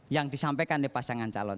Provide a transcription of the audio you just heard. yang disampaikan di pasangan calon